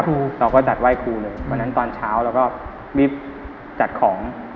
ครูเราก็จัดไหว้ครูเลยวันนั้นตอนเช้าเราก็รีบจัดของ